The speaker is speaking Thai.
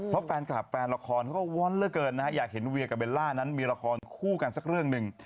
เพราะแฟนคลับแฟนละครเขาก็ว้อนเหลือเกินนะฮะอยากเห็นเวียกับเบลล่านั้นมีละครคู่กันสักเรื่องหนึ่ง